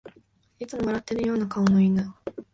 いつも笑ってるような顔の犬